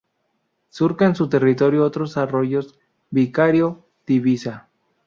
Surcan su territorio otros arroyos: Vicario, Divisa.